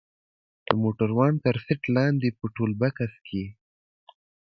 د موټروان تر سيټ لاندې په ټولبکس کښې.